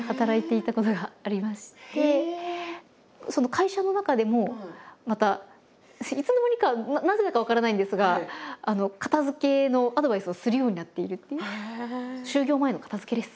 会社の中でもまたいつの間にかなぜだか分からないんですが片づけのアドバイスをするようになっているっていう。